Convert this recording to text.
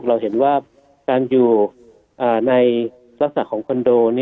เราเห็นว่าการอยู่ในลักษณะของคอนโด